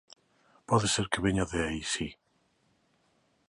Pode ser que veña de aí, si.